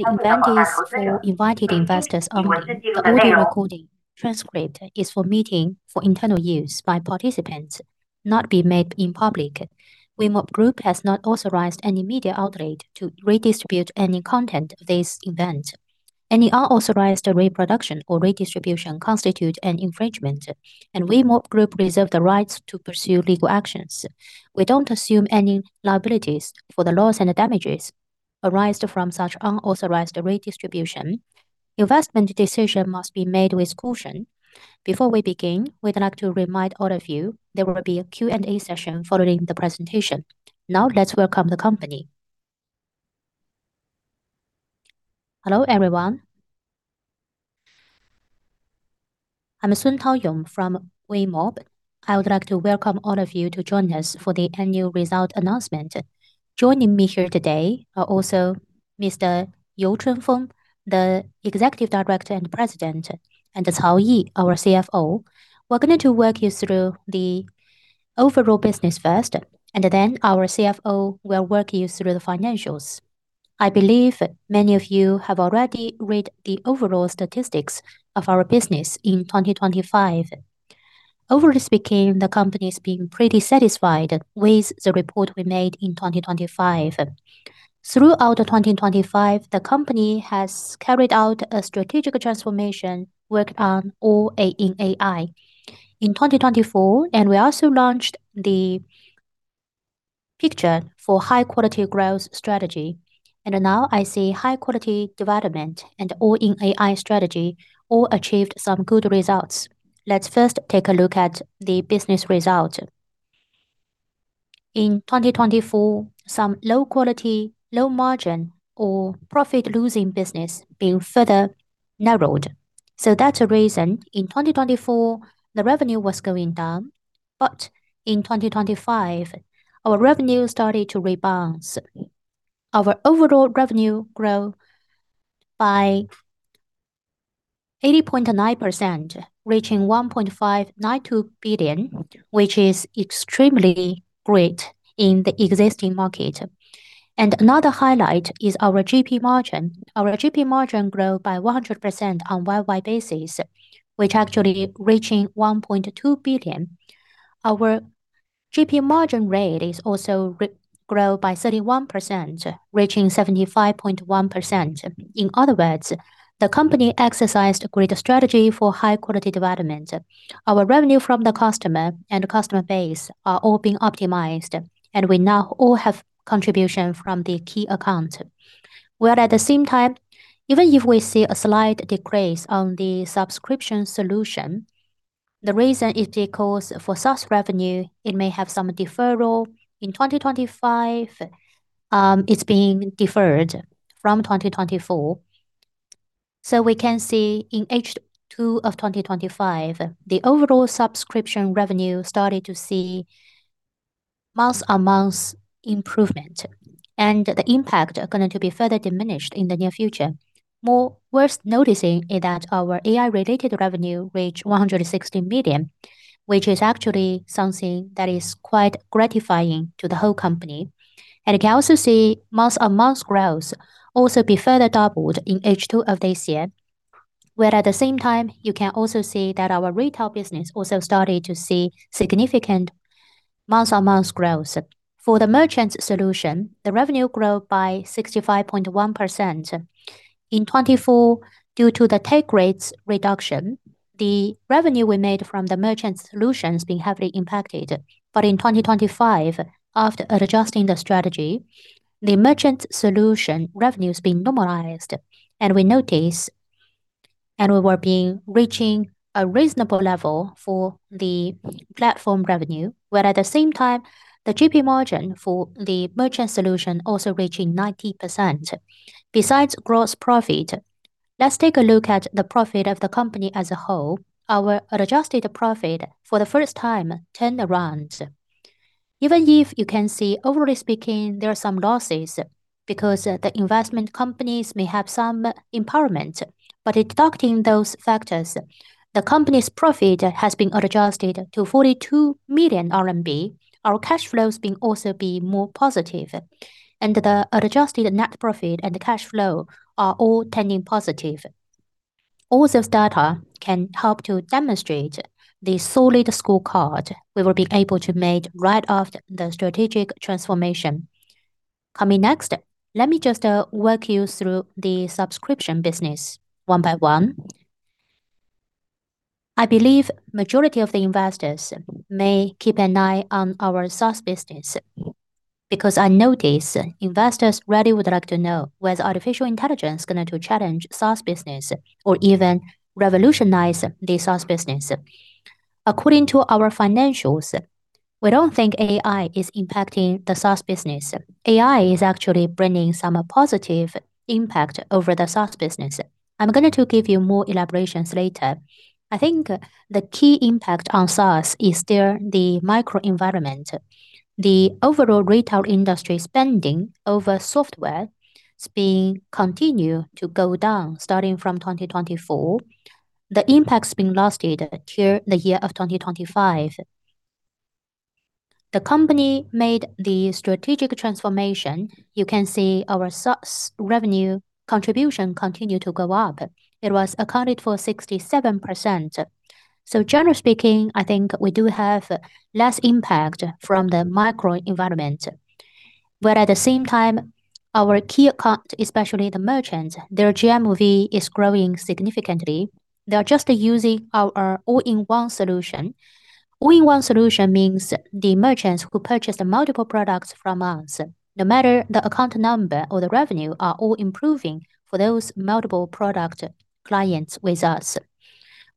The event is for invited investors only. The audio recording transcript is for meeting for internal use by participants, not to be made public. Weimob Group has not authorized any media outlet to redistribute any content of this event. Any unauthorized reproduction or redistribution constitutes an infringement, and Weimob Group reserves the rights to pursue legal actions. We don't assume any liabilities for the loss and damages arising from such unauthorized redistribution. Investment decisions must be made with caution. Before we begin, we'd like to remind all of you there will be a Q&A session following the presentation. Now, let's welcome the company. Hello, everyone. I'm Sun Taoyong from Weimob. I would like to welcome all of you to join us for the annual result announcement. Joining me here today are also Mr. You Fengchun, the Executive Director and President, and Cao Yi, our CFO. We're going to walk you through the overall business first, and then our CFO will walk you through the financials. I believe many of you have already read the overall statistics of our business in 2025. Overall speaking, the company is being pretty satisfied with the report we made in 2025. Throughout 2025, the company has carried out a strategic transformation work on All-in AI. In 2024, and we also launched the pillar for high-quality growth strategy. Now I see high-quality development and All-in AI strategy all achieved some good results. Let's first take a look at the business result. In 2024, some low quality, low margin or profit-losing business being further narrowed. That's the reason in 2024 the revenue was going down. In 2025, our revenue started to rebalance. Our overall revenue grow by 80.9%, reaching 1.592 billion, which is extremely great in the existing market. Another highlight is our GP margin. Our GP margin grow by 100% on year-over-year basis, which actually reaching 1.2 billion. Our GP margin rate is also grow by 31%, reaching 75.1%. In other words, the company exercised a greater strategy for high quality development. Our revenue from the customer and customer base are all being optimized, and we now all have contribution from the key account. Where at the same time, even if we see a slight decrease on the subscription solution, the reason is because for SaaS revenue, it may have some deferral. In 2025, it's being deferred from 2024. We can see in H2 of 2025, the overall subscription revenue started to see month-on-month improvement and the impact are going to be further diminished in the near future. More worth noticing is that our AI-related revenue reached 160 million, which is actually something that is quite gratifying to the whole company. You can also see month-on-month growth also be further doubled in H2 of this year. Where at the same time, you can also see that our retail business also started to see significant month-on-month growth. For the Merchant Solutions, the revenue grow by 65.1%. In 2024, due to the take rates reduction, the revenue we made from the merchant solutions being heavily impacted. In 2025, after adjusting the strategy, the merchant solution revenues being normalized. We notice we were reaching a reasonable level for the platform revenue. While at the same time, the GP margin for the Merchant Solutions also reaching 90%. Besides gross profit, let's take a look at the profit of the company as a whole. Our adjusted profit for the first time turned around. Even if you can see, overall speaking, there are some losses because the investment companies may have some impairment. Deducting those factors, the company's profit has been adjusted to 42 million RMB. Our cash flows are also more positive. The adjusted net profit and cash flow are all turning positive. All this data can help to demonstrate the solid scorecard we will be able to make right after the strategic transformation. Coming next, let me just walk you through the subscription business one by one. I believe majority of the investors may keep an eye on our SaaS business, because I notice investors really would like to know whether artificial intelligence is going to challenge SaaS business or even revolutionize the SaaS business. According to our financials, we don't think AI is impacting the SaaS business. AI is actually bringing some positive impact over the SaaS business. I'm going to give you more elaborations later. I think the key impact on SaaS is still the microenvironment. The overall retail industry spending over software continue to go down starting from 2024. The impact has been lasted till the year of 2025. The company made the strategic transformation. You can see our SaaS revenue contribution continued to go up. It was accounted for 67%. Generally speaking, I think we do have less impact from the microenvironment. At the same time, our key account, especially the merchants, their GMV is growing significantly. They are just using our all-in-one solution. All-in-one solution means the merchants who purchase the multiple products from us, no matter the account number or the revenue, are all improving for those multiple product clients with us.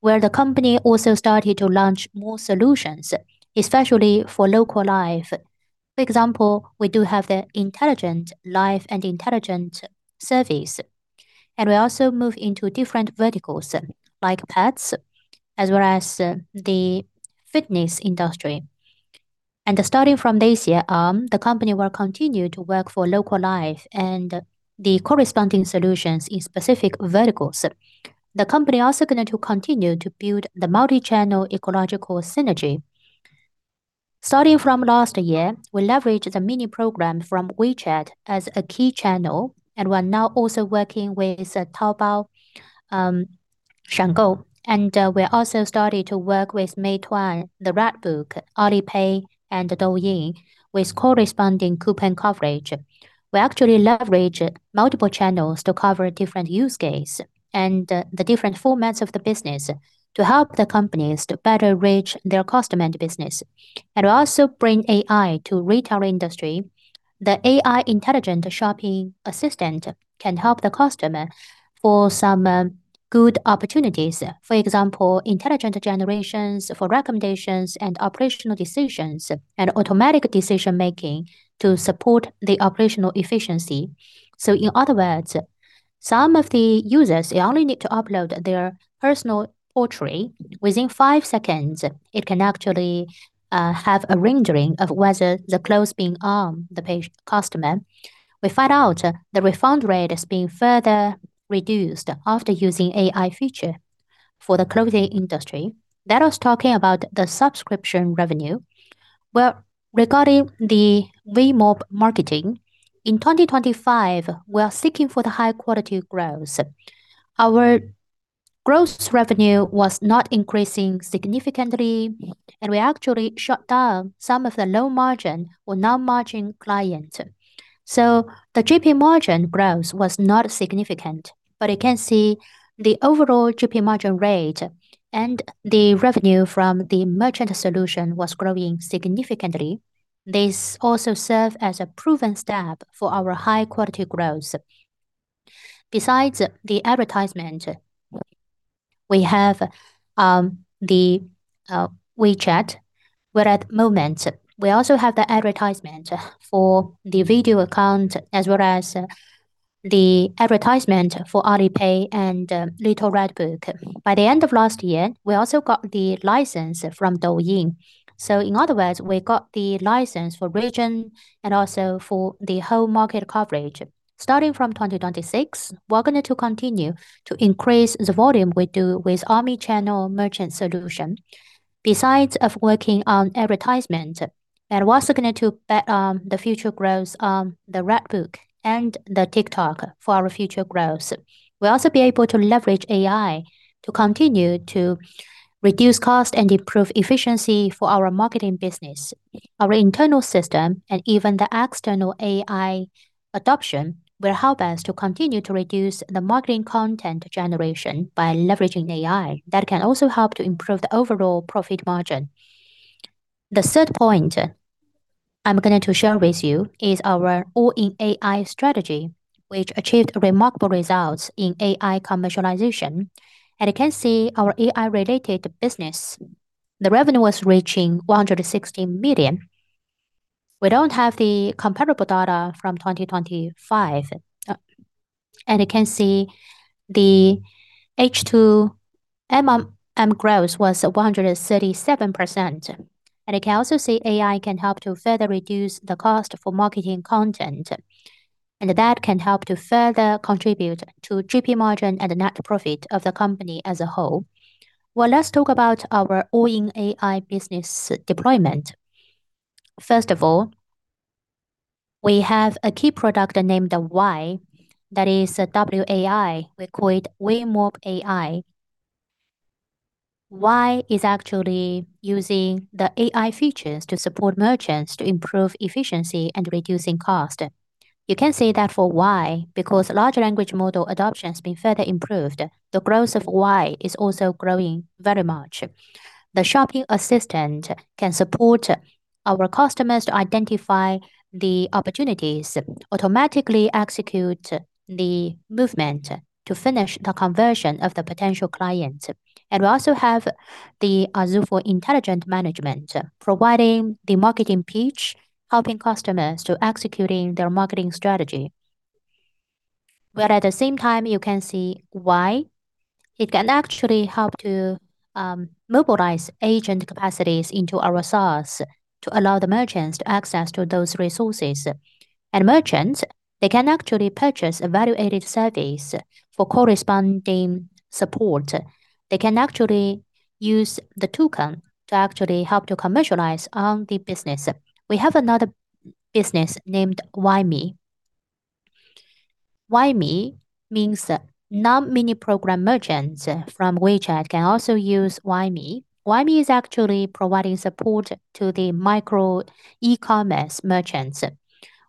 The company also started to launch more solutions, especially for local life. For example, we do have the intelligent life and intelligent service, and we also move into different verticals like pets as well as the fitness industry. Starting from this year, the company will continue to work for local life and the corresponding solutions in specific verticals. The company also going to continue to build the multichannel ecological synergy. Starting from last year, we leveraged the Mini Program from WeChat as a key channel, and we're now also working with Taobao, [Shengong[, and we also started to work with Meituan, Xiaohongshu, Alipay, and Douyin with corresponding coupon coverage. We actually leverage multiple channels to cover different use case and the different formats of the business to help the companies to better reach their customer and business and also bring AI to retail industry. The AI intelligent shopping assistant can help the customer for some good opportunities. For example, intelligent generations for recommendations and operational decisions, and automatic decision-making to support the operational efficiency. In other words, some of the users, they only need to upload their personal portrait. Within five seconds, it can actually have a rendering of whether the clothes being on the page customer. We find out the refund rate is being further reduced after using AI feature for the clothing industry. That was talking about the subscription revenue. Well, regarding the Weimob marketing, in 2025, we are seeking for the high-quality growth. Our gross revenue was not increasing significantly, and we actually shut down some of the low-margin or no-margin client. The GP margin growth was not significant, but you can see the overall GP margin rate and the revenue from the Merchant Solutions was growing significantly. This also serve as a proven step for our high-quality growth. Besides the advertisement, we have WeChat, where at moment we also have the advertisement for the video account as well as the advertisement for Alipay and Little Red Book. By the end of last year, we also got the license from Douyin. In other words, we got the license for region and also for the whole market coverage. Starting from 2026, we're going to continue to increase the volume we do with omni-channel merchant solution. Besides of working on advertisement, and we're also going to bet the future growth on Xiaohongshu and TikTok for our future growth. We'll also be able to leverage AI to continue to reduce cost and improve efficiency for our marketing business. Our internal system and even the external AI adoption will help us to continue to reduce the marketing content generation by leveraging AI. That can also help to improve the overall profit margin. The third point I'm going to share with you is our all-in AI strategy, which achieved remarkable results in AI commercialization. You can see our AI-related business, the revenue was reaching 160 million. We don't have the comparable data from 2025. You can see the H2 GMV growth was 137%. You can also see AI can help to further reduce the cost for marketing content, and that can help to further contribute to GP margin and net profit of the company as a whole. Well, let's talk about our all-in AI business deployment. First of all, we have a key product named WAI, that is W-A-I. We call it Weimob AI. WAI is actually using the AI features to support merchants to improve efficiency and reducing cost. You can see that for WAI, because large language model adoption has been further improved, the growth of WAI is also growing very much. The shopping assistant can support our customers to identify the opportunities, automatically execute the movement to finish the conversion of the potential clients. We also have the [Azufu] intelligent management, providing the marketing pitch, helping customers to executing their marketing strategy. At the same time, you can see WAI, it can actually help to mobilize agent capacities into our SaaS to allow the merchants to access to those resources. Merchants, they can actually purchase a value-added service for corresponding support. They can actually use the token to actually help to commercialize the business. We have another business named WIME. WIME means non-Mini Program merchants from WeChat can also use WIME. WIME is actually providing support to the micro e-commerce merchants.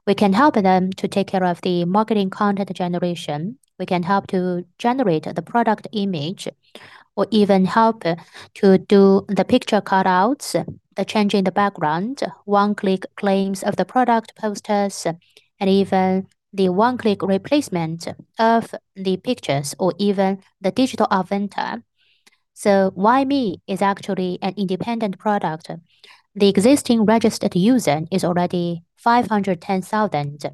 We can help them to take care of the marketing content generation. We can help to generate the product image or even help to do the picture cutouts, the change in the background, one-click claims of the product posters, and even the one-click replacement of the pictures or even the digital inventory. WIME is actually an independent product. The existing registered user is already 510,000.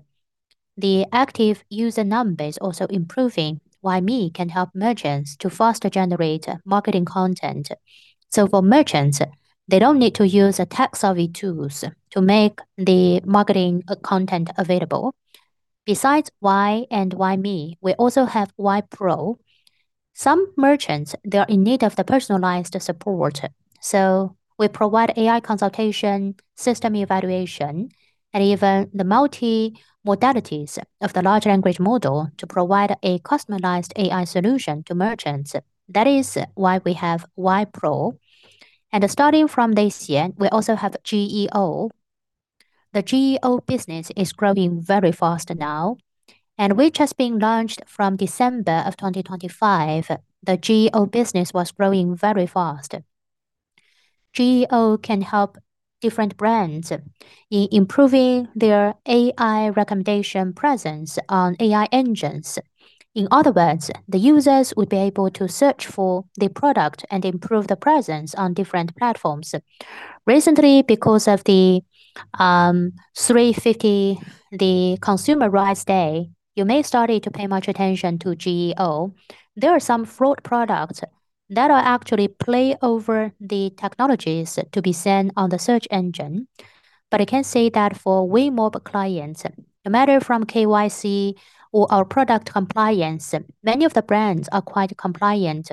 The active user number is also improving. WIME can help merchants to faster generate marketing content. For merchants, they don't need to use a tech-savvy tools to make the marketing content available. Besides WAI and WIME, we also have WAI Pro. Some merchants, they are in need of the personalized support. We provide AI consultation, system evaluation, and even the multi-modalities of the large language model to provide a customized AI solution to merchants. That is why we have WAI Pro. Starting from this year, we also have GEO. The GEO business is growing very fast now, and which has been launched from December of 2025. The GEO business was growing very fast. GEO can help different brands in improving their AI recommendation presence on AI engines. In other words, the users will be able to search for the product and improve the presence on different platforms. Recently, because of the 3·15, the Consumer Rights Day, you may have started to pay much attention to GEO. There are some fraud products that are actually playing with the technologies to be seen on the search engine. But I can say that for Weimob clients, no matter from KYC or our product compliance, many of the brands are quite compliant.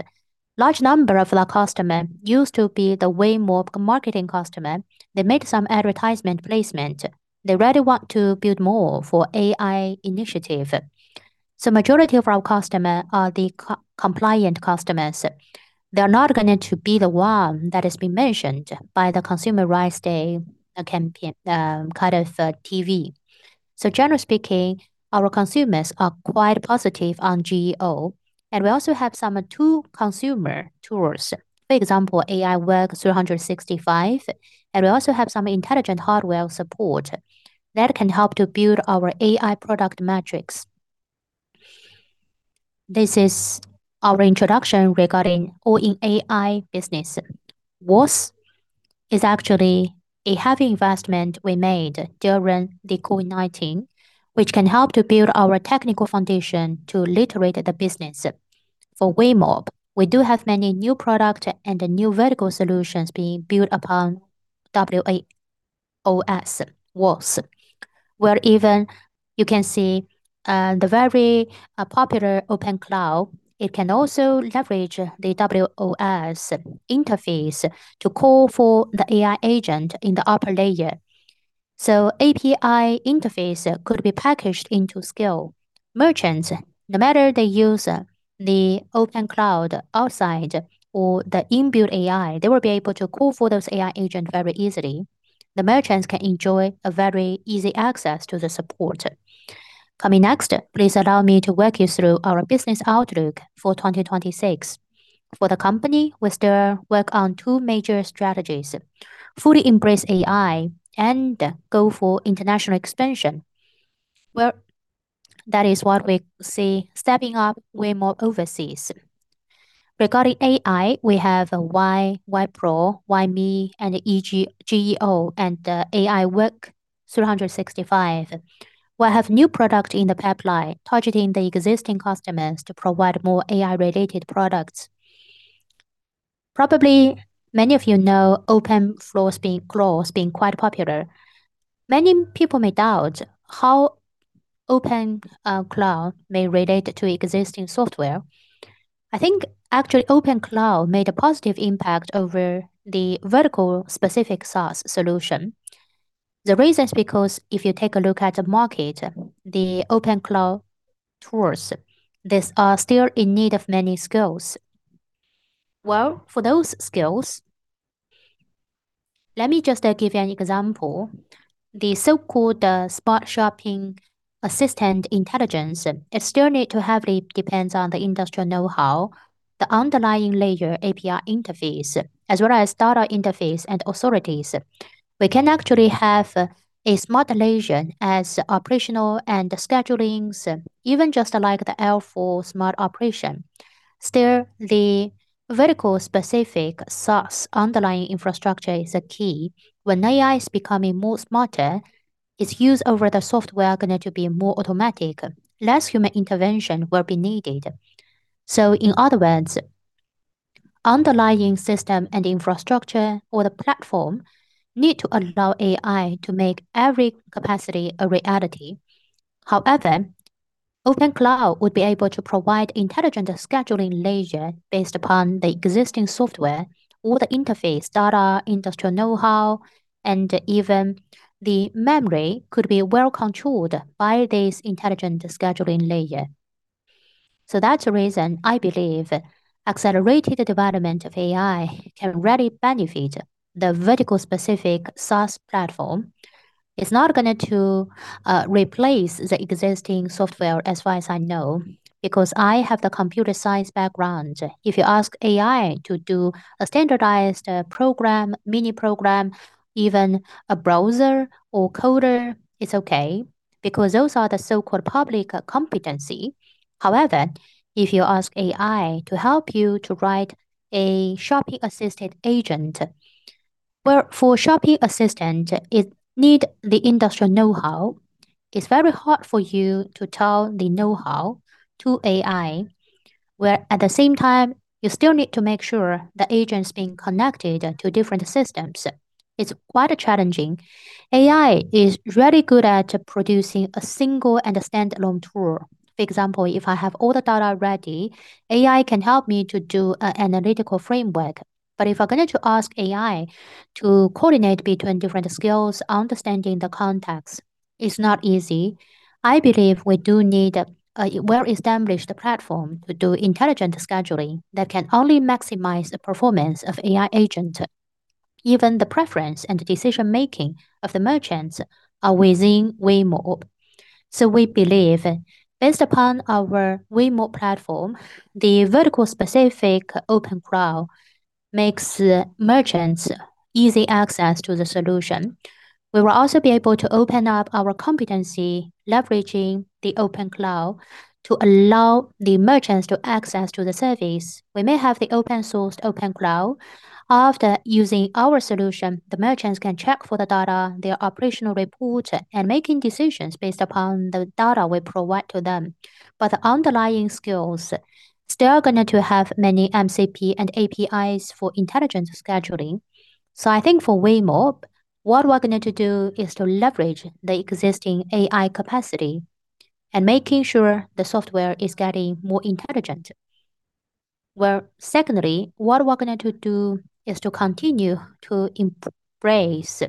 Large number of our customer used to be the Weimob marketing customer. They made some advertisement placement. They really want to build more for AI initiative. Majority of our customers are the KYC-compliant customers. They're not going to be the ones that have been mentioned by the Consumer Rights Day campaign, kind of TV. Generally speaking, our consumers are quite positive on GEO, and we also have some consumer tools. For example, iWork365, and we also have some intelligent hardware support that can help to build our AI product metrics. This is our introduction regarding all-in-AI business. WOS is actually a heavy investment we made during the COVID-19, which can help to build our technical foundation to iterate the business. For Weimob, we do have many new products and new vertical solutions being built upon WOS, where even you can see the very popular OpenCloud. It can also leverage the WOS interface to call for the AI agent in the upper layer. API interface could be packaged into skill. Merchants, no matter they use the OpenCloud outside or the in-built AI, they will be able to call for those AI agent very easily. The merchants can enjoy a very easy access to the support. Coming next, please allow me to walk you through our business outlook for 2026. For the company, we still work on two major strategies: fully embrace AI and go for international expansion, where that is what we see stepping up Weimob Overseas. Regarding AI, we have WAI Pro, WIME, and GEO, and iwork365. We have new product in the pipeline targeting the existing customers to provide more AI-related products. Probably many of you know open source being quite popular. Many people may doubt how OpenCloud may relate to existing software. I think actually OpenCloud made a positive impact over the vertical specific SaaS solution. The reason is because if you take a look at the market, the open cloud tools, these are still in need of many skills. Well, for those skills, let me just give you an example. The so-called spot shopping assistant intelligence, it still need to heavily depends on the industrial know-how, the underlying layer API interface, as well as data interface and authorities. We can actually have a smart layer as operational and schedulings, even just like the L4 smart operation. Still, the vertical specific SaaS underlying infrastructure is the key. When AI is becoming more smarter, its use over the software are going to be more automatic, less human intervention will be needed. In other words, underlying system and infrastructure or the platform need to allow AI to make every capacity a reality. However, OpenCloud would be able to provide intelligent scheduling layer based upon the existing software or the interface data, industrial know-how, and even the memory could be well controlled by this intelligent scheduling layer. That's the reason I believe accelerated development of AI can really benefit the vertical specific SaaS platform. It's not gonna to replace the existing software as far as I know, because I have the computer science background. If you ask AI to do a standardized program, Mini Program, even a browser or coder, it's okay because those are the so-called public competency. However, if you ask AI to help you to write a shopping assistant agent. Well, for shopping assistant, it need the industrial know-how. It's very hard for you to tell the know-how to AI, while at the same time, you still need to make sure the agent's being connected to different systems. It's quite challenging. AI is really good at producing a single and a standalone tool. For example, if I have all the data ready, AI can help me to do an analytical framework. If I'm going to ask AI to coordinate between different skills, understanding the context is not easy. I believe we do need a well-established platform to do intelligent scheduling that can only maximize the performance of AI agent. Even the preference and decision-making of the merchants are within Weimob. We believe based upon our Weimob platform, the vertical specific open cloud makes merchants easy access to the solution. We will also be able to open up our competency leveraging the open cloud to allow the merchants to access to the service. We may have the open source, open cloud. After using our solution, the merchants can check for the data, their operational report, and making decisions based upon the data we provide to them. The underlying skills, still gonna to have many MCP and APIs for intelligent scheduling. I think for Weimob, what we're gonna to do is to leverage the existing AI capacity and making sure the software is getting more intelligent. Well, secondly, what we're gonna to do is to continue to embrace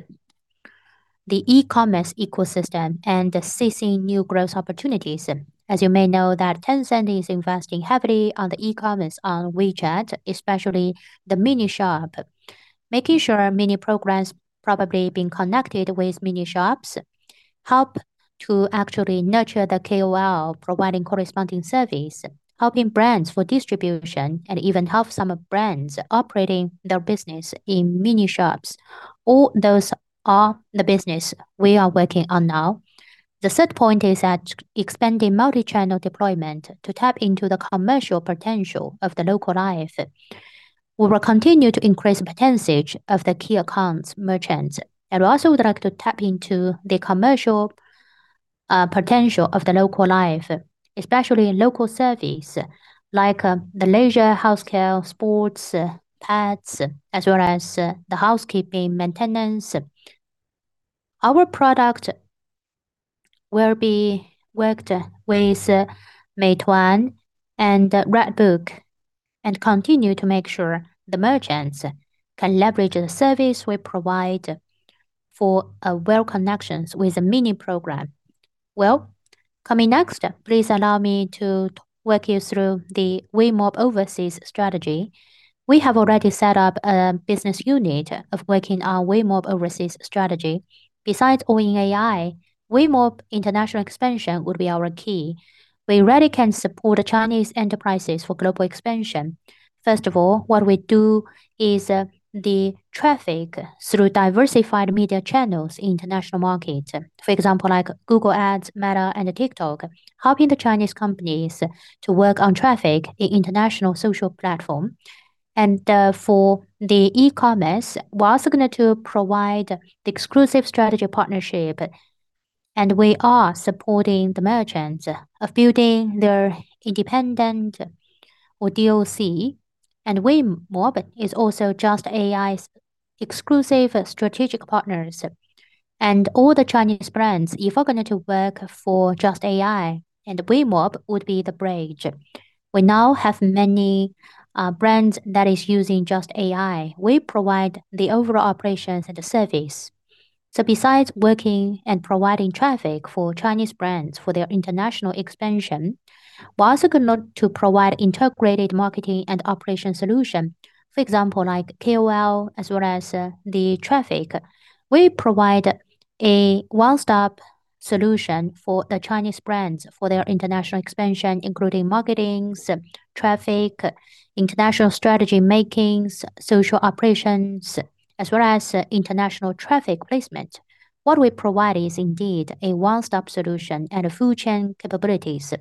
the e-commerce ecosystem and seizing new growth opportunities. As you may know, that Tencent is investing heavily on the e-commerce on WeChat, especially the Mini Shop. Making sure Mini Program's probably been connected with Mini Shops help to actually nurture the KOL, providing corresponding service, helping brands for distribution, and even help some brands operating their business in Mini Shops. All those are the business we are working on now. The third point is that expanding multi-channel deployment to tap into the commercial potential of the local life. We will continue to increase the percentage of the key accounts merchants, and also would like to tap into the commercial potential of the local life, especially local service like the leisure, home care, sports, pets, as well as the housekeeping, maintenance. Our product will be worked with Meituan and Little Red Book and continue to make sure the merchants can leverage the service we provide for well connections with the Mini Program. Well, coming next, please allow me to walk you through the Weimob overseas strategy. We have already set up a business unit of working on Weimob overseas strategy. Besides owning AI, Weimob international expansion would be our key. We really can support Chinese enterprises for global expansion. First of all, what we do is the traffic through diversified media channels in international market. For example, like Google Ads, Meta, and TikTok, helping the Chinese companies to work on traffic in international social platform. For the e-commerce, we're also gonna to provide the exclusive strategic partnership, and we are supporting the merchants of building their independent or DTC. Weimob is also Genstore.ai's exclusive strategic partners. All the Chinese brands, if we're gonna to work for Genstore.ai, and Weimob would be the bridge. We now have many brands that is using Genstore.ai. We provide the overall operations and the service. Besides working and providing traffic for Chinese brands for their international expansion, we're also going to provide integrated marketing and operation solution. For example, like KOL as well as the traffic. We provide a one-stop solution for the Chinese brands for their international expansion, including marketing, traffic, international strategy making, social operations, as well as international traffic placement. What we provide is indeed a one-stop solution and full chain capabilities.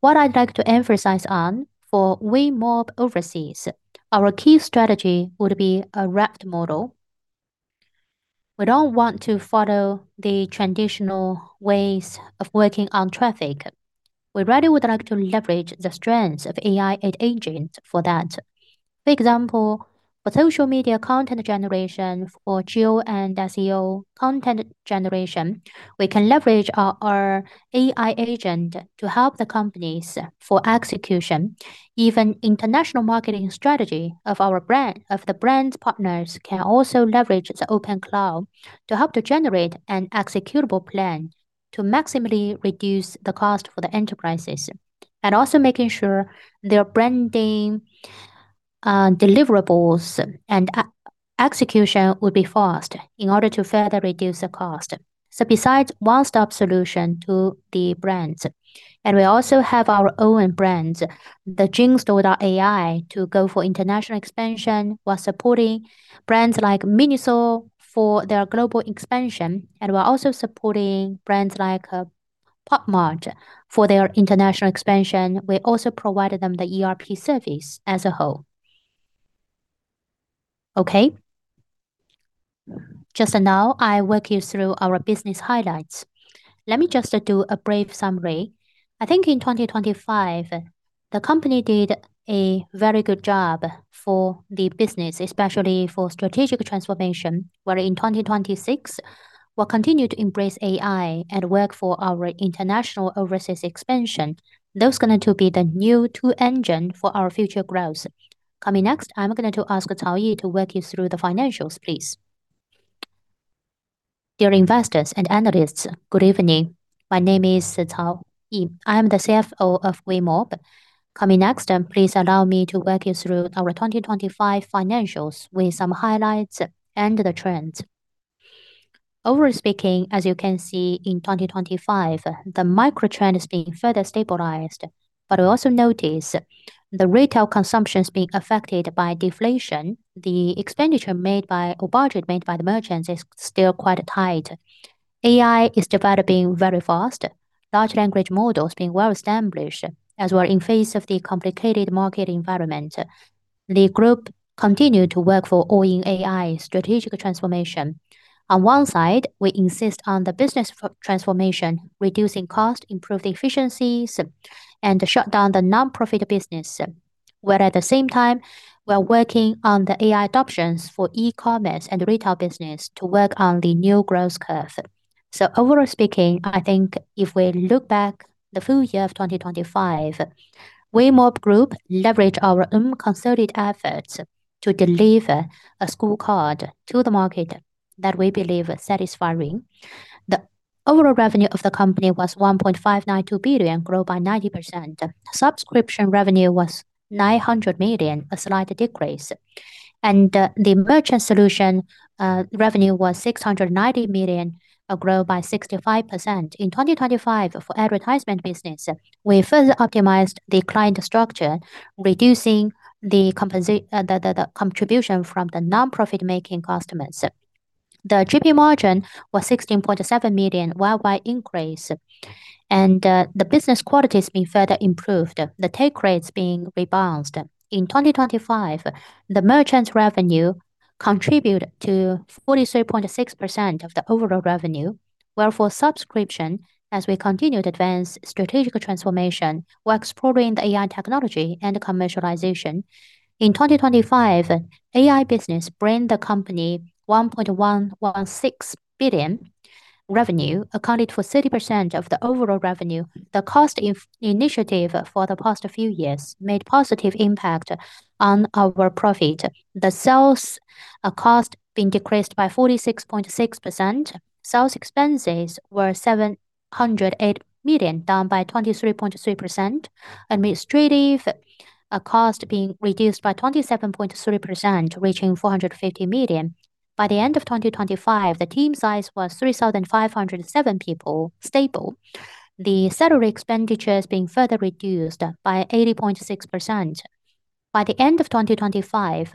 What I'd like to emphasize on for Weimob Overseas, our key strategy would be a wrapped model. We don't want to follow the traditional ways of working on traffic. We really would like to leverage the strengths of AI agents for that. For social media content generation, for GEO and SEO content generation, we can leverage our AI agent to help the companies for execution. Even international marketing strategy of the brand's partners can also leverage the OpenCloud to help to generate an executable plan to maximally reduce the cost for the enterprises. Also making sure their branding, deliverables and e-execution will be fast in order to further reduce the cost. Besides one-stop solution to the brands, and we also have our own brands, the Genstore.ai, to go for international expansion. We're supporting brands like Miniso for their global expansion, and we're also supporting brands like, Pop Mart for their international expansion. We also provided them the ERP service as a whole. Okay. Just now, I walk you through our business highlights. Let me just do a brief summary. I think in 2025, the company did a very good job for the business, especially for strategic transformation, where in 2026, we'll continue to embrace AI and work for our international overseas expansion. Those going to be the new two engine for our future growth. Coming next, I'm going to ask Cao Yi to walk you through the financials, please. Dear investors and analysts, good evening. My name is Cao Yi. I'm the CFO of Weimob. Coming next, please allow me to walk you through our 2025 financials with some highlights and the trends. Overall speaking, as you can see in 2025, the macro trend is being further stabilized, but we also notice the retail consumption is being affected by deflation. The expenditure or budget made by the merchants is still quite tight. AI is developing very fast. Large language models being well established. As we're in face of the complicated market environment, the group continue to work for all-in-AI strategic transformation. On one side, we insist on the business transformation, reducing cost, improve the efficiencies, and shut down the nonprofit business. We're at the same time working on the AI adoption for e-commerce and retail business to work on the new growth curve. Overall speaking, I think if we look back the full year of 2025, Weimob Group leverage our own consolidated efforts to deliver a scorecard to the market that we believe satisfying. The overall revenue of the company was 1.592 billion, grow by 90%. Subscription revenue was 900 million, a slight decrease. The Merchant Solutions revenue was 690 million, a grow by 65%. In 2025, for advertisement business, we further optimized the client structure, reducing the contribution from the nonprofit-making customers. The GP margin was 16.7%, worldwide increase, and the business quality has been further improved, the take rates being rebounded. In 2025, the merchants revenue contribute to 43.6% of the overall revenue. Where for subscription, as we continue to advance strategic transformation, we're exploring the AI technology and commercialization. In 2025, AI business bring the company 1.116 billion revenue, accounted for 30% of the overall revenue. The cost initiatives for the past few years made positive impact on our profit. The sales cost being decreased by 46.6%. Sales expenses were 708 million, down by 23.3%. Administrative cost being reduced by 27.3%, reaching 450 million. By the end of 2025, the team size was 3,507 people, stable. The salary expenditures being further reduced by 80.6%. By the end of 2025,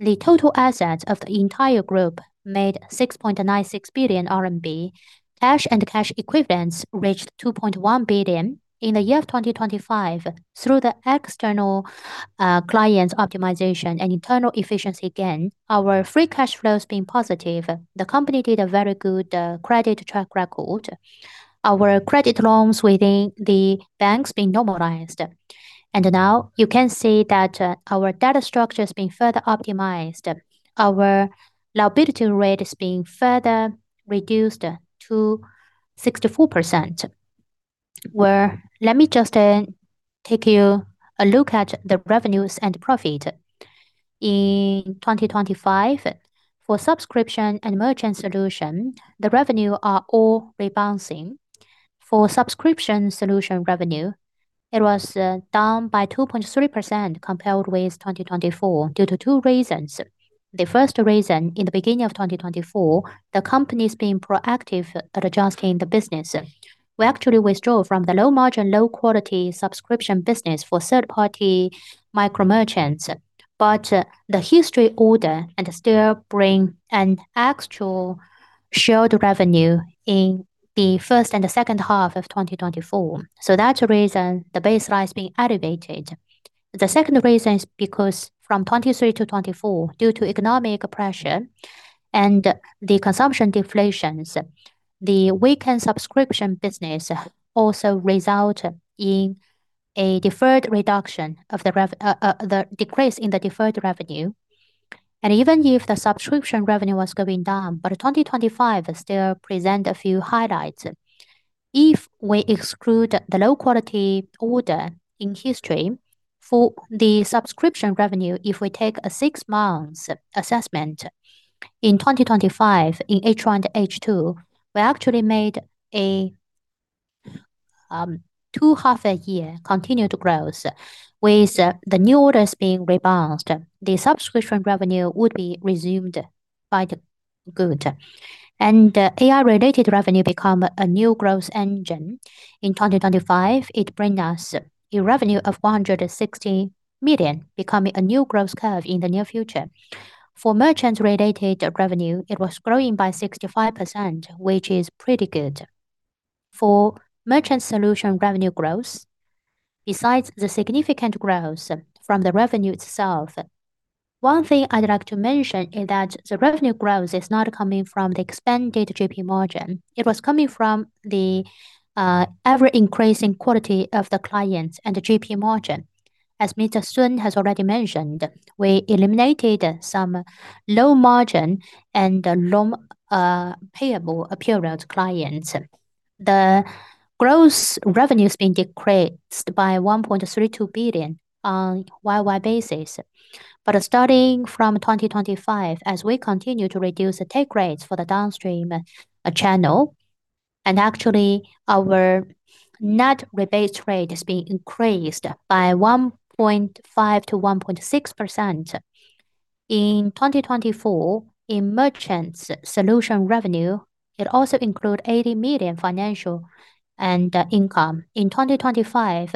the total assets of the entire group made 6.96 billion RMB. Cash and cash equivalents reached 2.1 billion. In the year of 2025, through the external clients optimization and internal efficiency gain, our free cash flows being positive. The company did a very good credit track record. Our credit loans within the banks being normalized. Now you can see that our capital structure is being further optimized. Our liability rate is being further reduced to 64%, Let me just take you a look at the revenues and profit. In 2025, for subscription and merchant solution, the revenue are all rebounding. For subscription solution revenue, it was down by 2.3% compared with 2024 due to two reasons. The first reason, in the beginning of 2024, the company is being proactive at adjusting the business. We actually withdraw from the low margin, low quality subscription business for third-party mini merchants, but the historical orders still bring actual shared revenue in the first and the second half of 2024. That's the reason the baseline is being elevated. The second reason is because from 2023 to 2024, due to economic pressure and the consumption deflation, the weakened subscription business also result in a decrease in the deferred revenue. Even if the subscription revenue was going down, but 2025 still present a few highlights. If we exclude the low quality order in history for the subscription revenue, if we take a 6 months assessment in 2025, in H1 to H2, we actually made a two half a year continued growth. With the new orders being rebounced, the subscription revenue would be resumed quite good. AI-related revenue become a new growth engine. In 2025, it bring us a revenue of 160 million, becoming a new growth curve in the near future. For merchant-related revenue, it was growing by 65%, which is pretty good. For merchant solution revenue growth, besides the significant growth from the revenue itself, one thing I'd like to mention is that the revenue growth is not coming from the expanded GP margin. It was coming from the ever-increasing quality of the clients and the GP margin. As Mr. Sun has already mentioned. We eliminated some low-margin and low-payable-period clients. The gross revenue has been decreased by 1.32 billion on year-over-year basis. Starting from 2025, as we continue to reduce the take rates for the downstream channel, and actually our net rebate rate is being increased by 1.5%-1.6%. In 2024, in Merchant Solutions revenue, it also include 80 million financial income. In 2025,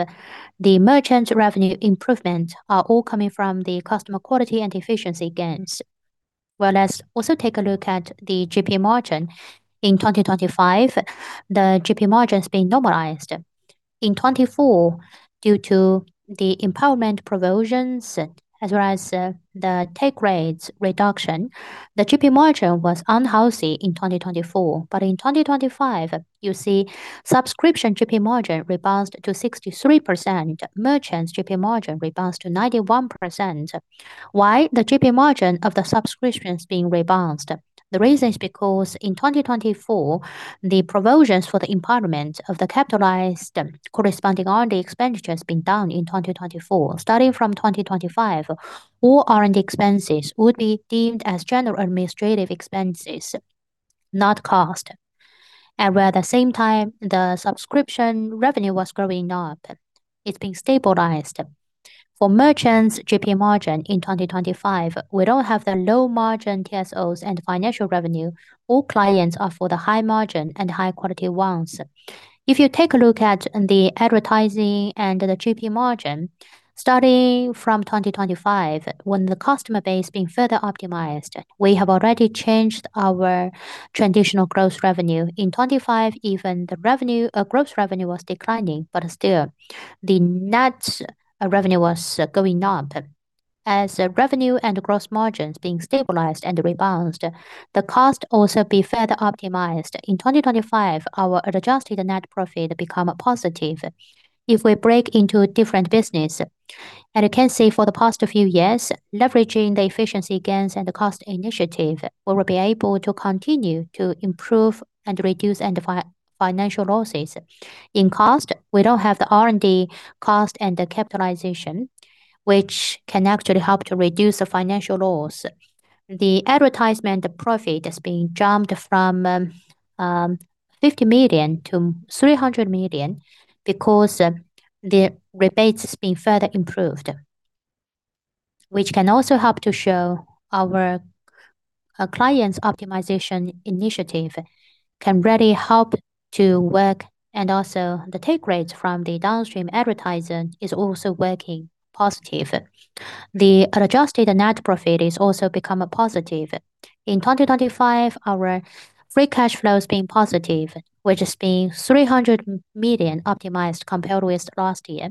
the merchant revenue improvements are all coming from the customer quality and efficiency gains. Well, let's also take a look at the GP margin. In 2025, the GP margin has been normalized. In 2024, due to the impairment provisions as well as the take rates reduction, the GP margin was unhealthy in 2024. In 2025, you see subscription GP margin rebounded to 63%. Merchants GP margin rebounded to 91%. Why the GP margin of the subscriptions being rebounded? The reason is because in 2024, the provisions for the impairment of the capitalized corresponding R&D expenditures being done in 2024. Starting from 2025, all R&D expenses would be deemed as general administrative expenses, not cost. And where at the same time, the subscription revenue was growing up, it's been stabilized. For merchants GP margin in 2025, we don't have the low margin TSOs and financial revenue. All clients are for the high margin and high quality ones. If you take a look at the advertising and the GP margin, starting from 2025, when the customer base being further optimized, we have already changed our traditional growth revenue. In 2025, even the revenue... Gross revenue was declining, but still the net revenue was going up. As revenue and gross margins being stabilized and rebounded, the cost also be further optimized. In 2025, our adjusted net profit become positive. If we break into different business, and you can see for the past few years, leveraging the efficiency gains and the cost initiative, we will be able to continue to improve and reduce any financial losses. In cost, we don't have the R&D cost and the capitalization, which can actually help to reduce the financial loss. The advertisement profit has been jumped from 50 million to 300 million because the rebates has been further improved, which can also help to show our clients optimization initiative can really help to work. Also the take rates from the downstream advertising is also working positive. The adjusted net profit is also become positive. In 2025, our free cash flow has been positive, which has been 300 million optimized compared with last year.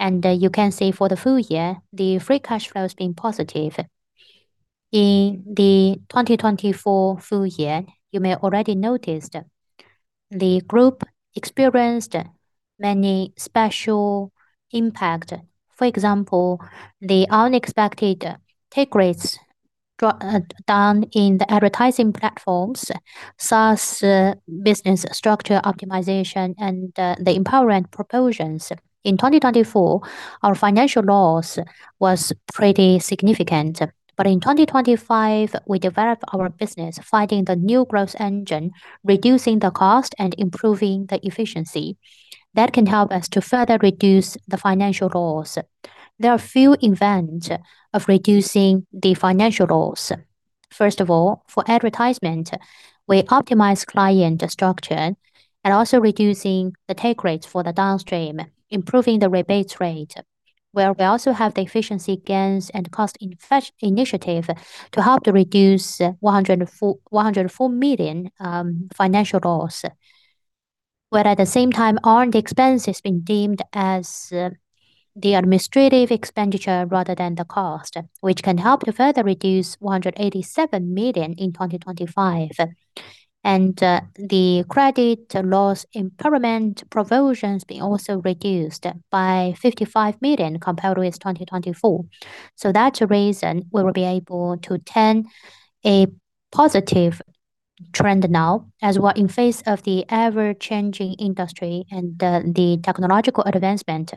You can see for the full year, the free cash flow has been positive. In the 2024 full year, you may already noticed the group experienced many special impact. For example, the unexpected take rates down in the advertising platforms, SaaS business structure optimization, and the impairment provisions. In 2024, our financial loss was pretty significant. In 2025, we developed our business, finding the new growth engine, reducing the cost, and improving the efficiency. That can help us to further reduce the financial loss. There are a few events of reducing the financial loss. First of all, for advertisement, we optimize client structure and also reducing the take rates for the downstream, improving the rebates rate, where we also have the efficiency gains and cost initiative to help to reduce 104 million financial loss, where at the same time R&D expenses being deemed as the administrative expenditure rather than the cost, which can help to further reduce 187 million in 2025. The credit loss impairment provisions being also reduced by 55 million compared with 2024. That reason we will be able to turn a positive trend now as we're in the face of the ever-changing industry and the technological advancement.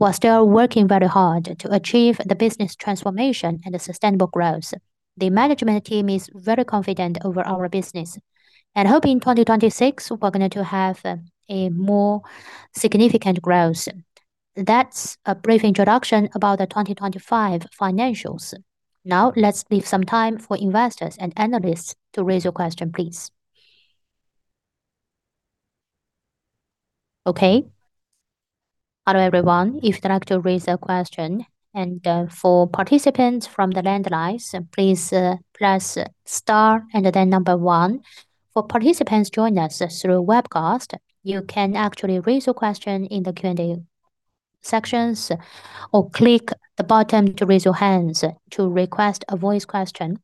We're still working very hard to achieve the business transformation and the sustainable growth. The management team is very confident over our business and hope in 2026 we're going to have a more significant growth. That's a brief introduction about the 2025 financials. Now let's leave some time for investors and analysts to raise your question, please. Okay. Hello, everyone. If you'd like to raise a question and, for participants from the landlines, please press star and then number 1. For participants joining us through webcast, you can actually raise your question in the Q&A sections or click the button to raise your hands to request a voice question.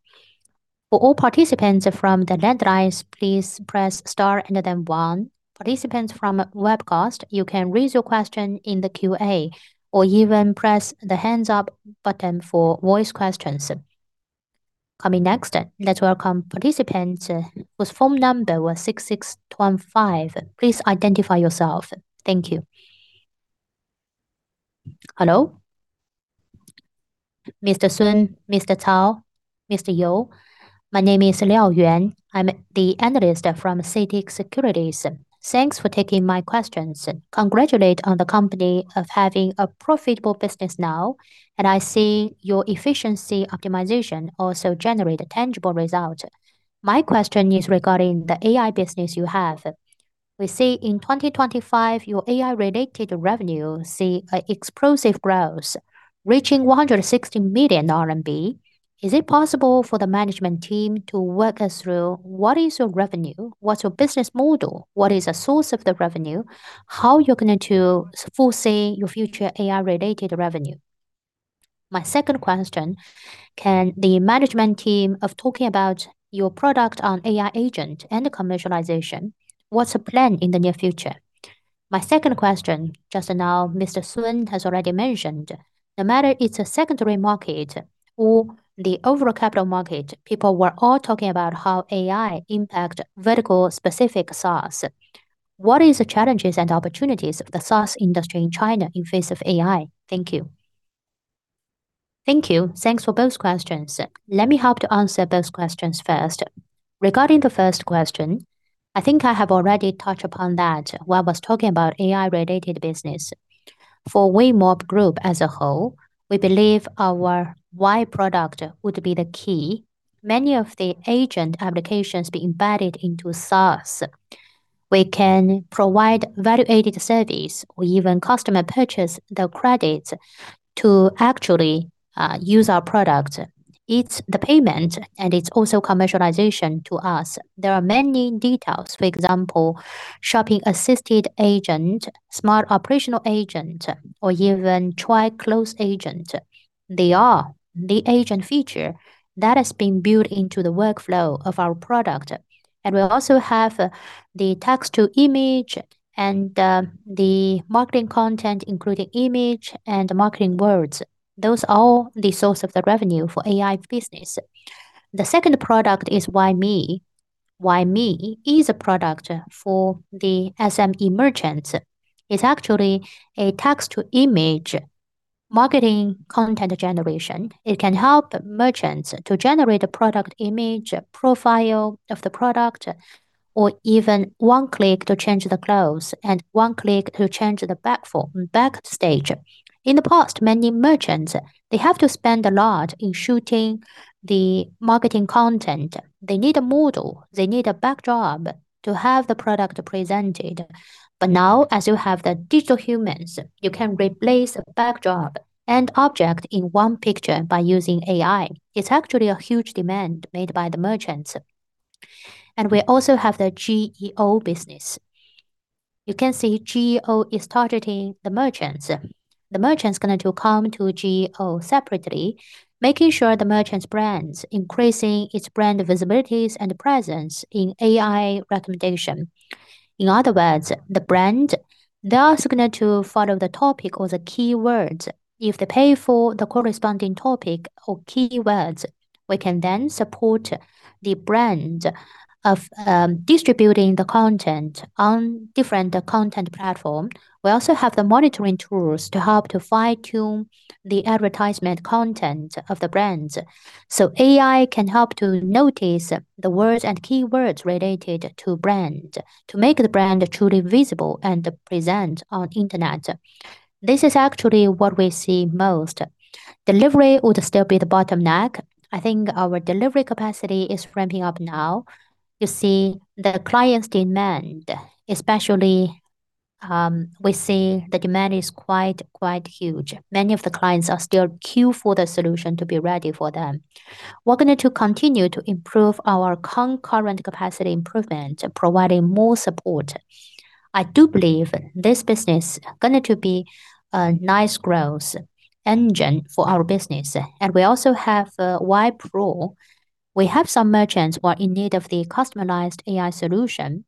For all participants from the landlines, please press star and then one. Participants from webcast, you can raise your question in the Q&A or even press the hands up button for voice questions. Coming next, let's welcome participant whose phone number was 66215. Please identify yourself. Thank you. Hello. Mr. Sun, Mr. Cao, Mr. You. My name is Liao Yuan. I'm the analyst from CITIC Securities. Thanks for taking my questions. Congratulate on the company of having a profitable business now, and I see your efficiency optimization also generate tangible result. My question is regarding the AI business you have. We see in 2025 your AI related revenue see a explosive growth, reaching 160 million RMB. Is it possible for the management team to walk us through what is your revenue? What's your business model? What is the source of the revenue? How you're going to foresee your future AI related revenue? My second question, can the management team of talking about your product on AI agent and commercialization, what's the plan in the near future? My second question, just now Mr. Sun has already mentioned, no matter it's a secondary market or the overall capital market, people were all talking about how AI impacts vertical-specific SaaS. What are the challenges and opportunities of the SaaS industry in China in the face of AI? Thank you. Thank you. Thanks for both questions. Let me help to answer both questions first. Regarding the first question, I think I have already touched upon that when I was talking about AI-related business. For Weimob group as a whole, we believe our AI product would be the key. Many of the agent applications being embedded into SaaS. We can provide value-added service or even customers purchase the credits to actually use our product. It's the payment, and it's also commercialization to us. There are many details. For example, shopping assisted agent, smart operational agent, or even try clothes agent. They are the agent feature that has been built into the workflow of our product. We also have the text-to-image and the marketing content, including image and marketing words. Those are the source of the revenue for AI business. The second product is WIME. WIME is a product for the SME merchants. It's actually a text to image marketing content generation. It can help merchants to generate a product image, profile of the product, or even one click to change the clothes and one click to change the background. In the past, many merchants, they have to spend a lot in shooting the marketing content. They need a model. They need a backdrop to have the product presented. Now, as you have the digital humans, you can replace a backdrop and object in one picture by using AI. It's actually a huge demand made by the merchants. We also have the GEO business. You can see GEO is targeting the merchants. The merchants going to come to GEO separately, making sure the merchants brands increasing its brand visibility and presence in AI recommendation. In other words, the brand thus going to follow the topic or the keywords. If they pay for the corresponding topic or keywords, we can then support the brand of distributing the content on different content platforms. We also have the monitoring tools to help to fine-tune the advertisement content of the brands. AI can help to notice the words and keywords related to brand to make the brand truly visible and present on the Internet. This is actually what we see most. Delivery would still be the bottleneck. I think our delivery capacity is ramping up now. You see the clients' demand, especially, we see the demand is quite huge. Many of the clients are still queue for the solution to be ready for them. We're going to continue to improve our concurrent capacity improvement, providing more support. I do believe this business going to be a nice growth engine for our business. We also have a WAI Pro. We have some merchants who are in need of the customized AI solution.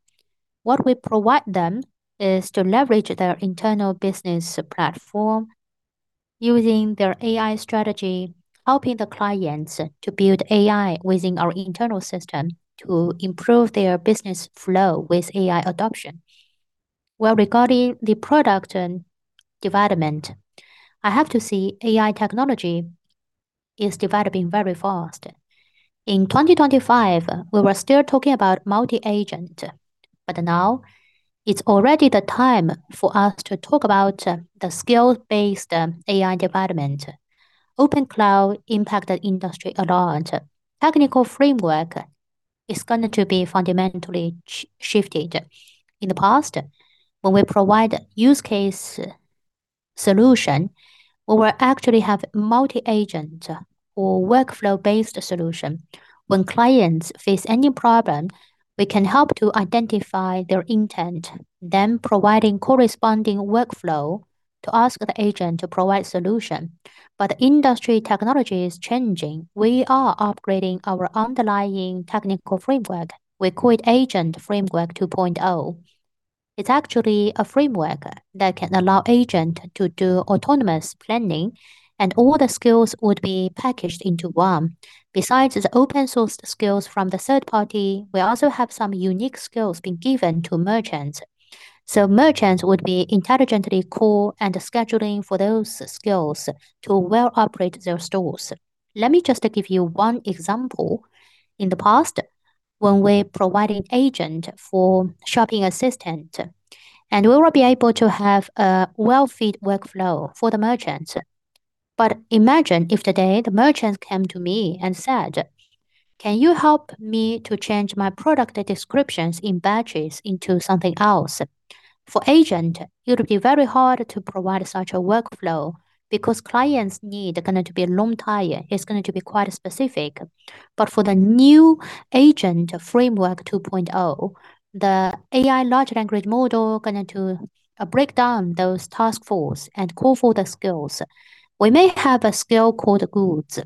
What we provide them is to leverage their internal business platform using their AI strategy, helping the clients to build AI within our internal system to improve their business flow with AI adoption. Well, regarding the product development, I have to say AI technology is developing very fast. In 2025, we were still talking about multi-agent, but now it's already the time for us to talk about the skills-based AI development. OpenCloud impacted industry a lot. Technical framework is going to be fundamentally shifted. In the past, when we provide use case solution, we will actually have multi-agent or workflow-based solution. When clients face any problem, we can help to identify their intent, then providing corresponding workflow to ask the agent to provide solution. Industry technology is changing. We are upgrading our underlying technical framework. We call it Agent Framework 2.0. It's actually a framework that can allow agent to do autonomous planning, and all the skills would be packaged into one. Besides the open-source skills from the third-party, we also have some unique skills being given to merchants. So merchants would be intelligently call and schedule for those skills to well operate their stores. Let me just give you one example. In the past, when we're providing agent for shopping assistant, and we will be able to have a well-fit workflow for the merchant. Imagine if today the merchant came to me and said, "Can you help me to change my product descriptions in batches into something else?" For agent, it would be very hard to provide such a workflow because client needs are going to take a long time. It's going to be quite specific. For the new Agent Framework 2.0, the AI large language model is going to break down those tasks and call for the skills. We may have a skill called goods,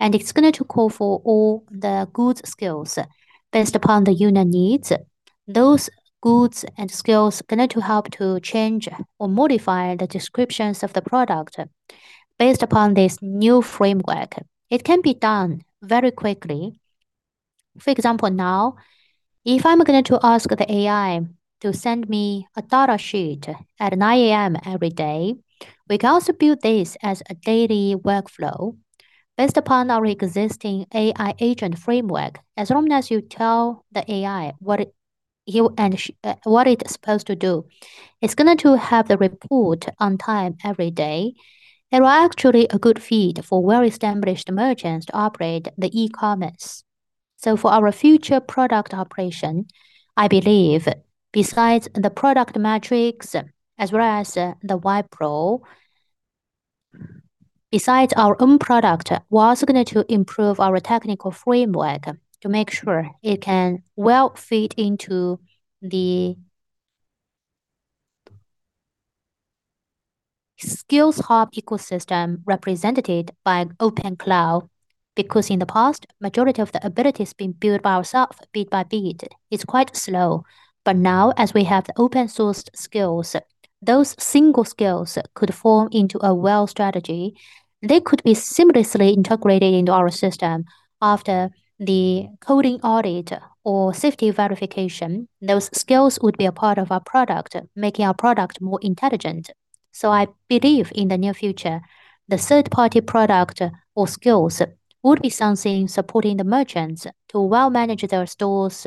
and it's going to call for all the goods skills based upon the user needs. Those goods skills are going to help to change or modify the descriptions of the product based upon this new framework. It can be done very quickly. For example, now, if I'm going to ask the AI to send me a data sheet at 9:00 A.M. every day, we can also build this as a daily workflow based upon our existing AI agent framework. As long as you tell the AI what it's supposed to do, it's going to have the report on time every day. There is actually a good fit for well-established merchants to operate the e-commerce. For our future product operation, I believe besides the product metrics as well as the WAI Pro, besides our own product, we're also going to improve our technical framework to make sure it can well fit into the skills hub ecosystem represented by OpenCloud. In the past, the majority of the abilities being built by ourselves bit by bit, it's quite slow. Now, as we have open-sourced skills, those single skills could form into a whole strategy. They could be seamlessly integrated into our system after the coding audit or safety verification. Those skills would be a part of our product, making our product more intelligent. I believe in the near future, the third-party product or skills would be something supporting the merchants to well manage their stores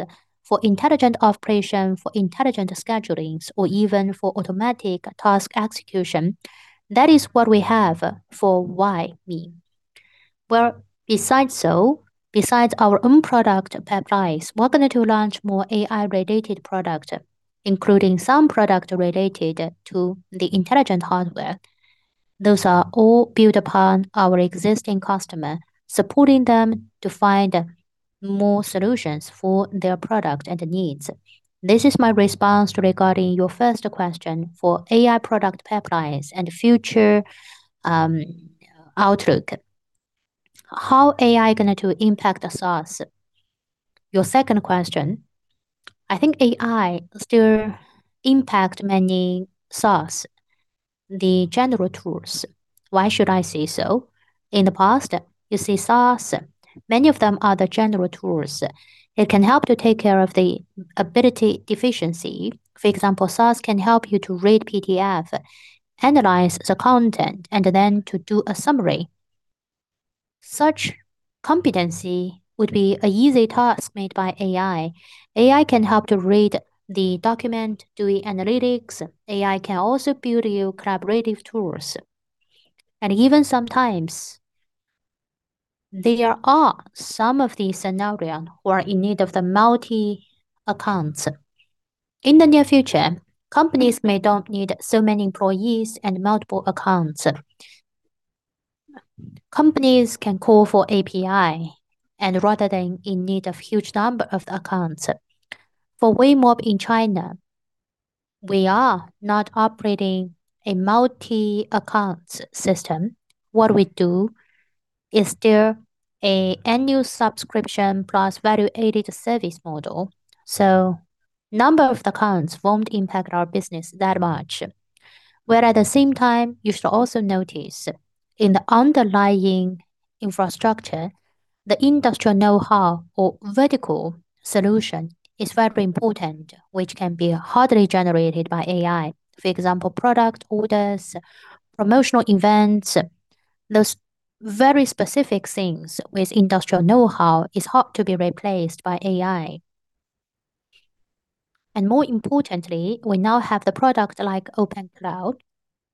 for intelligent operation, for intelligent schedulings, or even for automatic task execution. That is what we have for WIME. Well, besides our own product pipelines, we're going to launch more AI-related product, including some product related to the intelligent hardware. Those are all built upon our existing customer, supporting them to find more solutions for their product and needs. This is my response regarding your first question for AI product pipelines and future outlook. How AI going to impact the SaaS? Your second question, I think AI still impact many SaaS, the general tools. Why should I say so? In the past, you see SaaS, many of them are the general tools. It can help to take care of the ability deficiency. For example, SaaS can help you to read PDF, analyze the content, and then to do a summary. Such competency would be an easy task made by AI. AI can help to read the document, doing analytics. AI can also build you collaborative tools. Even sometimes there are some of these scenarios who are in need of the multi accounts. In the near future, companies may not need so many employees and multiple accounts. Companies can call for API and rather than in need of huge number of accounts. For Weimob in China, we are not operating a multi-account system. What we do is their annual subscription plus value-added service model. Number of accounts won't impact our business that much. Whereas at the same time, you should also notice in the underlying infrastructure, the industrial know-how or vertical solution is very important, which can be hardly generated by AI. For example, product orders, promotional events, those very specific things with industrial know-how is hard to be replaced by AI. More importantly, we now have the product like Weimob OpenCloud,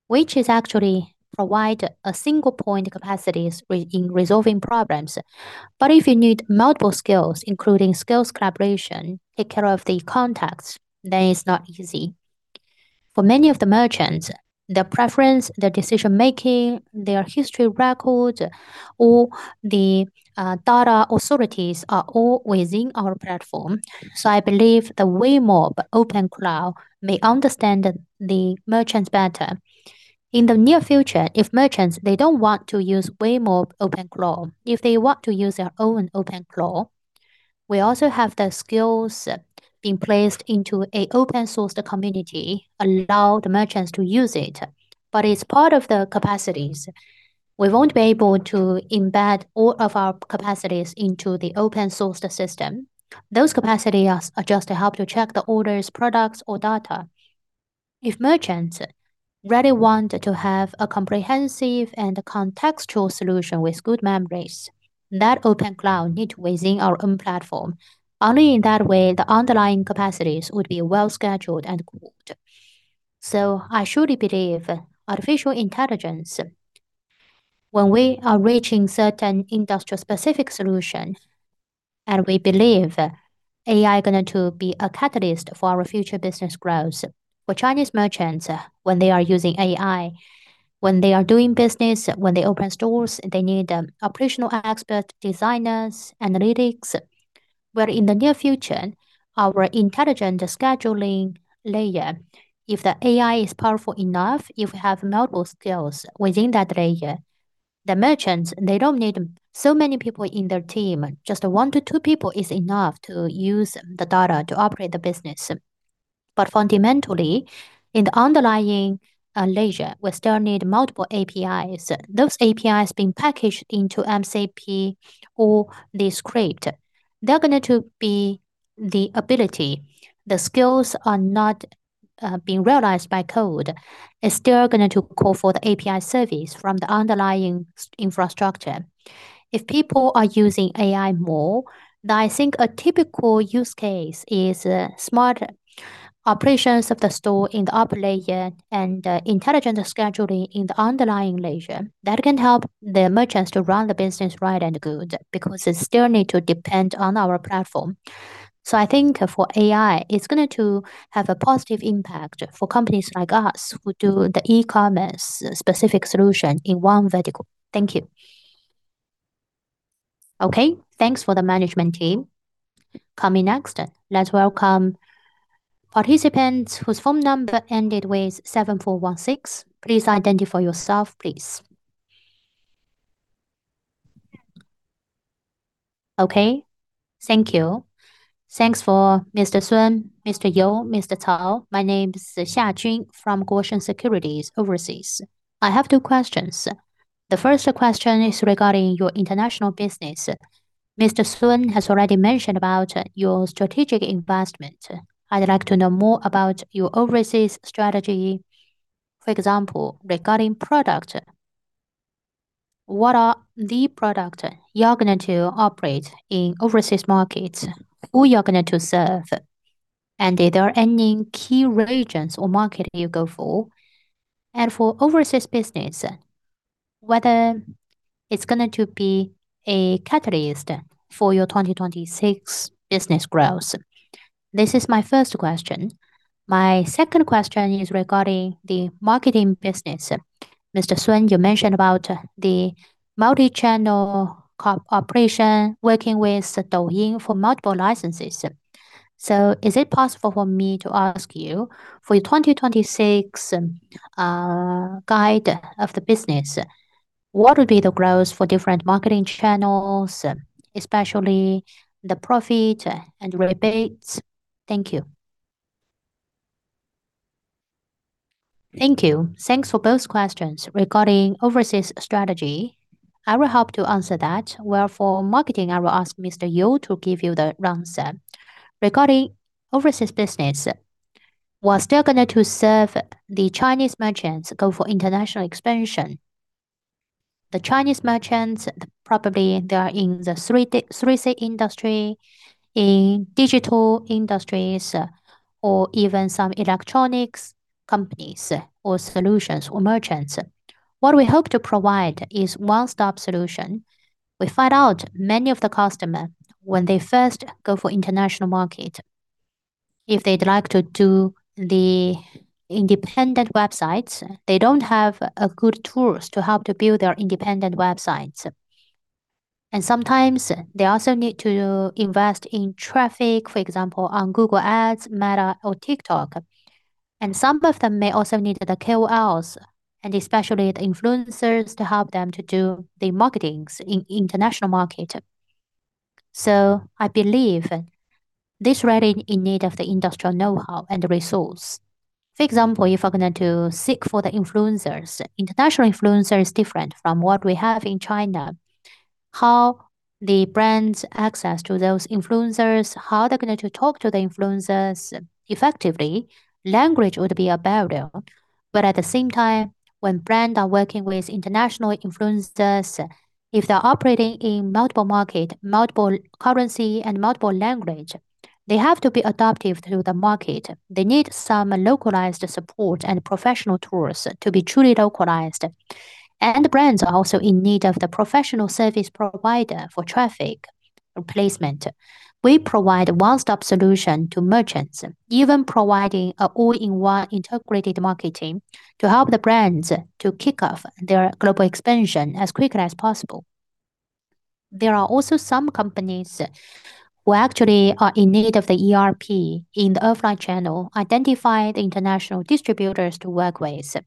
which is actually provide a single point capabilities in resolving problems. But if you need multiple skills, including skills collaboration, take care of the context, then it's not easy. For many of the merchants, their preference, their decision-making, their history record, or the data attributes are all within our platform. I believe the Weimob OpenCloud may understand the merchants better. In the near future, if merchants, they don't want to use Weimob OpenCloud, if they want to use their own OpenCloud, we also have the skills being placed into an open-source community, allow the merchants to use it, but it's part of the capacities. We won't be able to embed all of our capacities into the open-source system. Those capacities are just to help to check the orders, products or data. If merchants really want to have a comprehensive and contextual solution with good memories, that OpenCloud needs within our own platform. Only in that way, the underlying capacities would be well scheduled and good. I surely believe artificial intelligence, when we are reaching certain industry-specific solution, and we believe AI going to be a catalyst for our future business growth. For Chinese merchants, when they are using AI, when they are doing business, when they open stores, they need operational experts, designers, analysts. Where in the near future, our intelligent scheduling layer, if the AI is powerful enough, if we have multiple skills within that layer, the merchants, they don't need so many people in their team. Just 1 to 2 people is enough to use the data to operate the business. Fundamentally, in the underlying layer, we still need multiple APIs. Those APIs being packaged into MCP or the script. They're going to be the ability. The skills are not being realized by code. It's still going to call for the API service from the underlying infrastructure. If people are using AI more, then I think a typical use case is, smart operations of the store in the upper layer and intelligent scheduling in the underlying layer. That can help the merchants to run the business right and good because they still need to depend on our platform. I think for AI, it's going to have a positive impact for companies like us who do the e-commerce specific solution in one vertical. Thank you. Okay, thanks for the management team. Coming next, let's welcome participants whose phone number ended with 7416. Please identify yourself, please. Okay. Thank you. Thanks for Mr. Sun, Mr. You, Mr. Cao. My name is Xia Jun from Guosheng Securities Overseas. I have two questions. The first question is regarding your international business. Mr. Sun has already mentioned about your strategic investment. I'd like to know more about your overseas strategy. For example, regarding product, what are the product you're going to operate in overseas markets? Who you're going to serve? Are there any key regions or market you go for? For overseas business, whether it's going to be a catalyst for your 2026 business growth. This is my first question. My second question is regarding the marketing business. Mr. Sun, you mentioned about the multi-channel cooperation working with Douyin for multiple licenses. Is it possible for me to ask you, for your 2026 guidance of the business, what would be the growth for different marketing channels, especially the profit and rebates? Thank you. Thank you. Thanks for both questions. Regarding overseas strategy, I will help to answer that. As for marketing, I will ask Mr. You to give you the answer. Regarding overseas business, we're still going to serve the Chinese merchants go for international expansion. The Chinese merchants, probably they are in the 3C industry, in digital industries, or even some electronics companies or solutions or merchants. What we hope to provide is one-stop solution. We find out many of the customer, when they first go for international market. If they'd like to do the independent websites, they don't have a good tools to help to build their independent websites. Sometimes they also need to invest in traffic, for example, on Google Ads, Meta, or TikTok. Some of them may also need the KOLs, and especially the influencers, to help them to do the marketing in international market. I believe this really in need of the industrial know-how and the resource. For example, if I'm going to seek for the influencers, international influencer is different from what we have in China. How the brands access to those influencers, how they're going to talk to the influencers effectively, language would be a barrier. At the same time, when brand are working with international influencers, if they're operating in multiple market, multiple currency, and multiple language, they have to be adaptive to the market. They need some localized support and professional tools to be truly localized. The brands are also in need of the professional service provider for traffic replacement. We provide one-stop solution to merchants, even providing an all-in-one integrated marketing to help the brands to kick off their global expansion as quickly as possible. There are also some companies who actually are in need of the ERP in the offline channel, identify the international distributors to work with.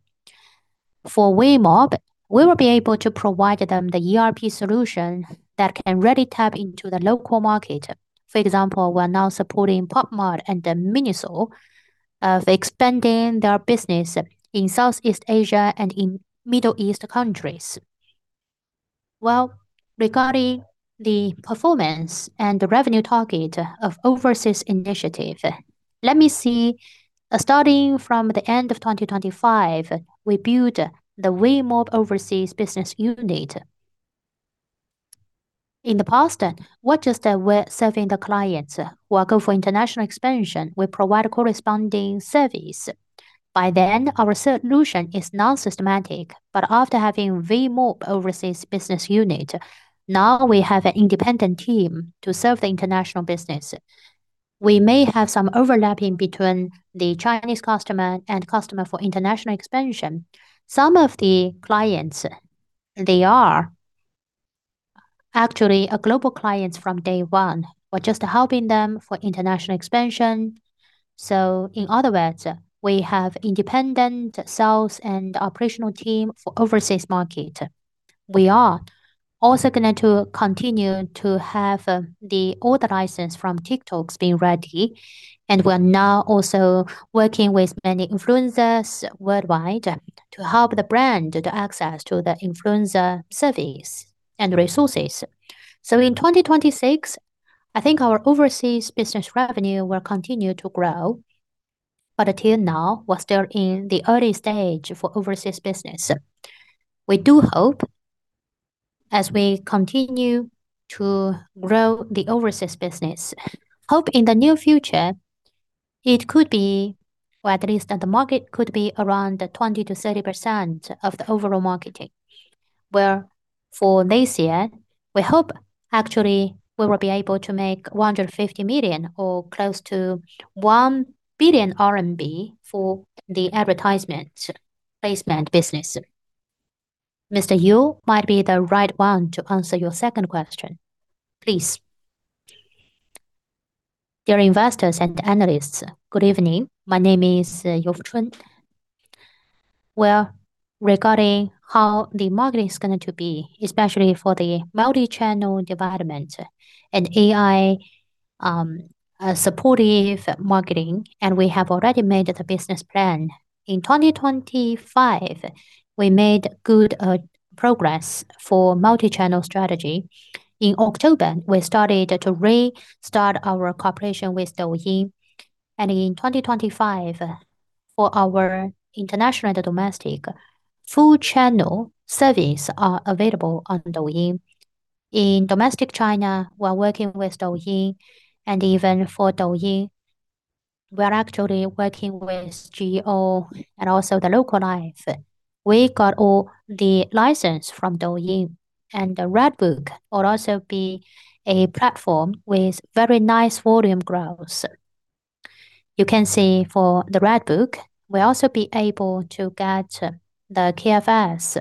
For Weimob, we will be able to provide them the ERP solution that can really tap into the local market. For example, we're now supporting Pop Mart and Miniso in expanding their business in Southeast Asia and in Middle East countries. Well, regarding the performance and the revenue target of overseas initiative, let me see. Starting from the end of 2025, we build the Weimob Overseas business unit. In the past, we're just serving the clients who are going for international expansion, we provide corresponding service. Before then, our solution is now systematic, but after having Weimob Overseas business unit, now we have an independent team to serve the international business. We may have some overlap between the Chinese customer and customer for international expansion. Some of the clients, they are actually global clients from day one. We're just helping them for international expansion. In other words, we have independent sales and operational team for overseas market. We are also going to continue to have the order license from TikTok being ready, and we're now also working with many influencers worldwide to help the brand to access to the influencer service and resources. In 2026, I think our overseas business revenue will continue to grow. Until now, we're still in the early stage for overseas business. We do hope, as we continue to grow the overseas business, in the near future, it could be, or at least that the market could be around the 20%-30% of the overall marketing. Where for this year, we hope actually we will be able to make 150 million or close to 1 billion RMB for the advertisement placement business. Mr. You Fengchun might be the right one to answer your second question, please. Dear investors and analysts, good evening. My name is You Fengchun. Well, regarding how the marketing is going to be, especially for the multi-channel development and AI, supportive marketing, and we have already made the business plan. In 2025, we made good progress for multi-channel strategy. In October, we started to restart our cooperation with Douyin, and in 2025, for our international and domestic, full channel service are available on Douyin. In domestic China, we're working with Douyin, and even for Douyin, we are actually working with GEO and also the Local Life. We got all the license from Douyin, and the Red Book will also be a platform with very nice volume growth. You can see for the Red Book, we'll also be able to get the KFS.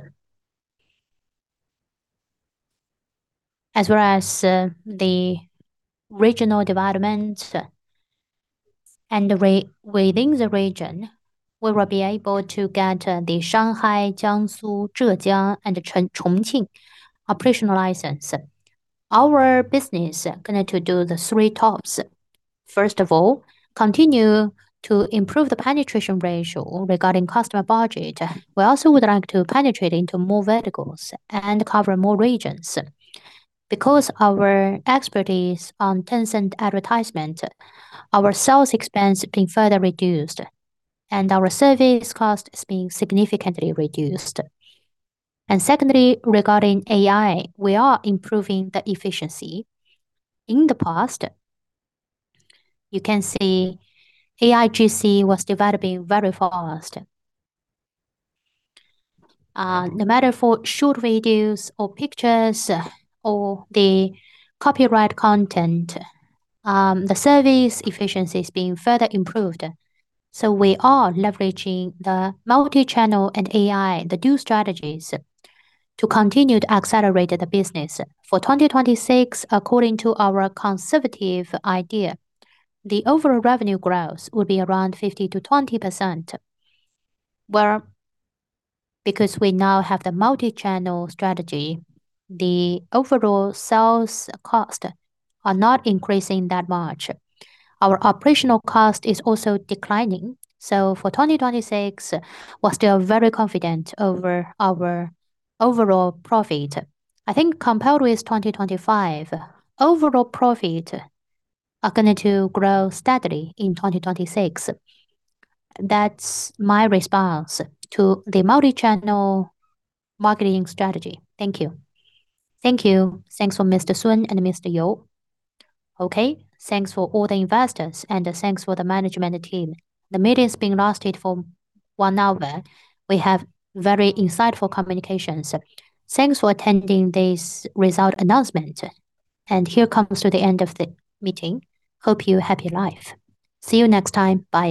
As well as the regional development, and within the region, we will be able to get the Shanghai, Jiangsu, Zhejiang, and Chongqing operational license. Our business going to do the three tops. First of all, continue to improve the penetration ratio regarding customer budget. We also would like to penetrate into more verticals and cover more regions. Because our expertise on Tencent advertisement, our sales expense being further reduced, and our service cost is being significantly reduced. Secondly, regarding AI, we are improving the efficiency. In the past, you can see AIGC was developing very fast. No matter for short videos or pictures or the copyright content, the service efficiency is being further improved. We are leveraging the multi-channel and AI, the two strategies, to continue to accelerate the business. For 2026, according to our conservative idea, the overall revenue growth will be around 20%-50%. Where because we now have the multi-channel strategy, the overall sales cost are not increasing that much. Our operational cost is also declining. So for 2026, we're still very confident over our overall profit. I think compared with 2025, overall profit are going to grow steadily in 2026. That's my response to the multi-channel marketing strategy. Thank you. Thank you. Thanks for Mr. Sun and Mr. Yu. Okay. Thanks for all the investors, and thanks for the management team. The meeting's been lasted for one hour. We have very insightful communications. Thanks for attending this result announcement. Here comes to the end of the meeting. Hope you happy life. See you next time. Bye.